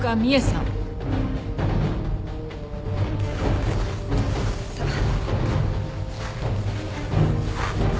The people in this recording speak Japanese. さあ。